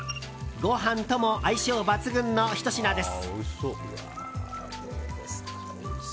ご飯とも相性抜群のひと品です。